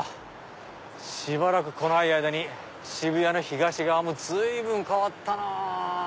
しばらく来ない間に渋谷の東側も随分変わったなぁ。